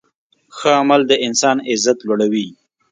ښه عمل د انسان عزت لوړوي.